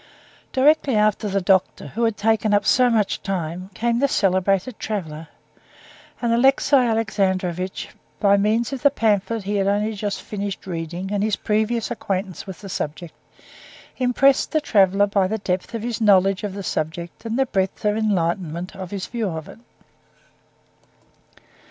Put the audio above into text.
Directly after the doctor, who had taken up so much time, came the celebrated traveler, and Alexey Alexandrovitch, by means of the pamphlet he had only just finished reading and his previous acquaintance with the subject, impressed the traveler by the depth of his knowledge of the subject and the breadth and enlightenment of his view of it.